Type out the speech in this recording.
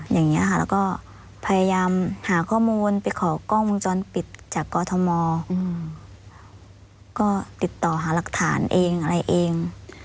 อย่างนี้ค่ะแล้วก็พยายามหาข้อมูลไปขอกล้องวงจรปิดจากกอทมก็ติดต่อหารักฐานเองอะไรเอง